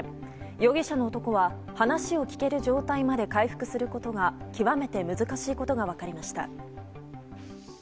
容疑者の男は話を聞ける状態まで回復することが極めて難しいことが分かりました。